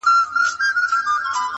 که غلیم له ما بری یووړ محبوبې